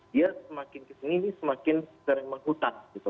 dia semakin kesini semakin sering menghutang